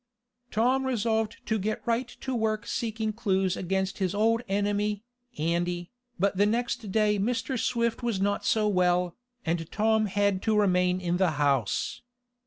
Tom resolved to get right to work seeking clues against his old enemy, Andy, but the next day Mr. Swift was not so well, and Tom had to remain in the house.